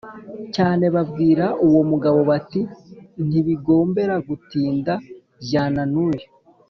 cyane babwira uwo mugabo bati: “Ntibigombera gutinda, jyana n’uyu